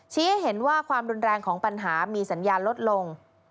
เห็นว่าความรุนแรงของปัญหามีสัญญาณลดลง